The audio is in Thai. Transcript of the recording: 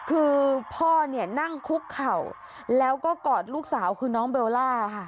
คือพ่อเนี่ยนั่งคุกเข่าแล้วก็กอดลูกสาวคือน้องเบลล่าค่ะ